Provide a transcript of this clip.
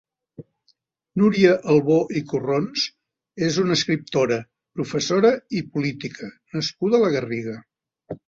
Núria Albó i Corrons és una escriptora, professora i política nascuda a la Garriga.